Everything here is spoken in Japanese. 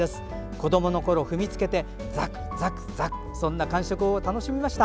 子どものころ踏みつけてザクザクそんな感触を楽しみました。